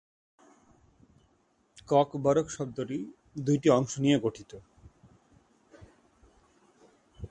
ককবরক শব্দটি দুইটি অংশ নিয়ে গঠিত।